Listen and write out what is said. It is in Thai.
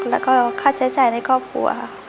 แล้วก็ค่าใช้จ่ายในครอบครัวค่ะ